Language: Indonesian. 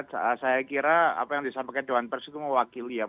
ya renat saya kira apa yang disampaikan dewan pers itu mewakili